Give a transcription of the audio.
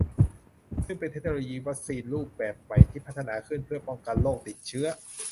ซึ่งเป็นเทคโนโลยีวัคซีนรูปแบบใหม่ที่พัฒนาขึ้นเพื่อป้องกันโรคติดเชื้อ